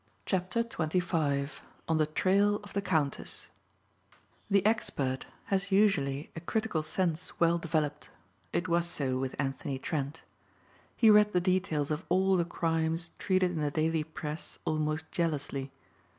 CHAPTER XXV ON THE TRAIL OF "THE COUNTESS" The expert has usually a critical sense well developed. It was so with Anthony Trent. He read the details of all the crimes treated in the daily press almost jealously.